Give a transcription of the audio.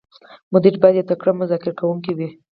مدیر باید یو تکړه مذاکره کوونکی وي.